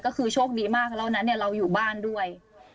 ก็คือโชคดีมากแล้วนั้นเราอยู่บ้านด้วย